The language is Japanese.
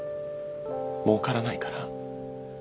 もうからないから？